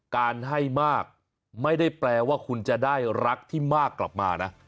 การให้มากไม่ได้แปลว่าคุณจะได้รักที่มากกลับมานะ